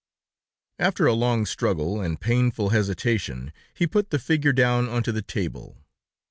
After a long struggle, and painful hesitation, he put the figure down onto the table.